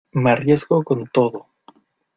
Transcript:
me arriesgo con todo.